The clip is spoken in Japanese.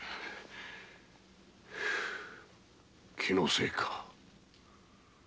気のせいか。